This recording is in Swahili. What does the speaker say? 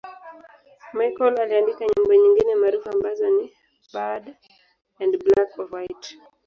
Michael aliandika nyimbo nyingine maarufu ambazo ni 'Bad' na 'Black or White'.